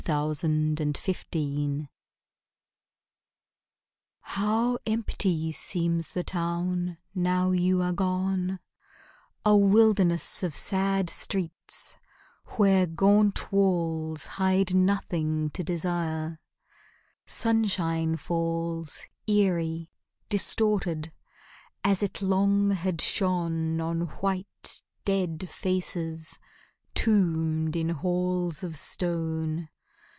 From One Who Stays How empty seems the town now you are gone! A wilderness of sad streets, where gaunt walls Hide nothing to desire; sunshine falls Eery, distorted, as it long had shone On white, dead faces tombed in halls of stone.